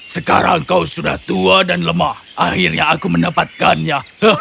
sekarang kau sudah tua dan lemah akhirnya aku mendapatkannya